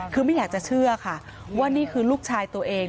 คือไม่อยากจะเชื่อค่ะว่านี่คือลูกชายตัวเอง